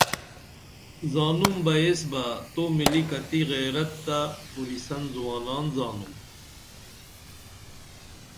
زانُم بہ ایس بہ تو مِلی کتی غیرت تہ پوریسن زوانان زانُم